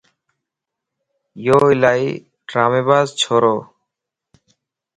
يو الائي ڊرامي باز ڇوروَ